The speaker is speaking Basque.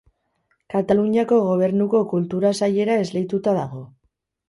Kataluniako Gobernuko Kultura Sailera esleituta dago.